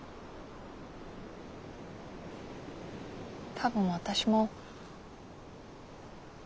多分私も。